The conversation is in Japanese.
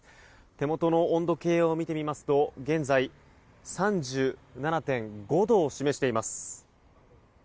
手元の温度計を見てみますと現在、３７．５度を示しています。